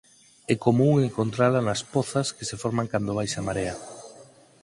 É común encontrala nas pozas que se forman cando baixa a marea.